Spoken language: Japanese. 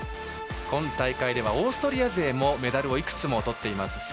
今大会はオーストリア勢もメダルをいくつもとっています。